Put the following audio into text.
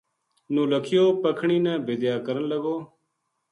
نولکھیو پکھنی نا بِدیا کرن لگو